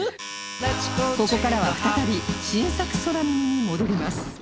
ここからは再び新作空耳に戻ります